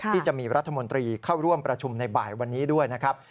ที่จะมีรัฐมนตรีเข้าร่วมประชุมในบ่ายวันนี้ด้วยนะครับ